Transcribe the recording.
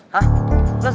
hah lo sakit